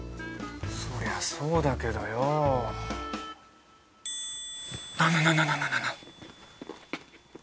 そりゃそうだけどよなあ